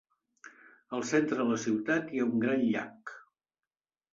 All centre de la ciutat hi ha un gran llac.